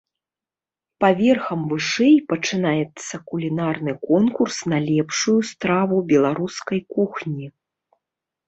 Паверхам вышэй пачынаецца кулінарны конкурс на лепшую страву беларускай кухні.